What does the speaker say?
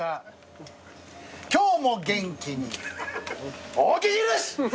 今日も元気に大木印！